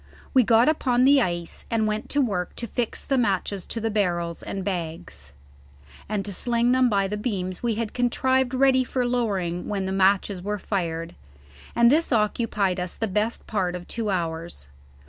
We got upon the ice, and went to work to fix matches to the barrels and bags, and to sling them by the beams we had contrived ready for lowering when the matches were fired, and this occupied us the best part of two hours.